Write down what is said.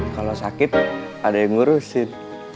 kalau sakit ada yang ngurusin